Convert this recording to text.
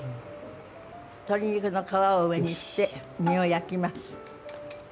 鶏肉の皮を上にして身を焼きます。